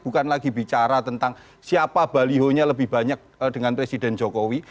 bukan lagi bicara tentang siapa balihonya lebih banyak dengan presiden jokowi